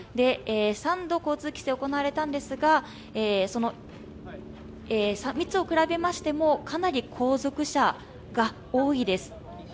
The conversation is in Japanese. ３度交通規制が行われたんですが、その３つを比べましても、かなり後続車が多いです。